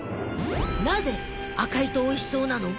なぜ赤いとおいしそうなの？